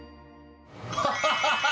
ハハハハハ！